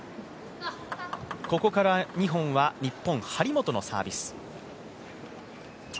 ここから２本は日本張本のサービス。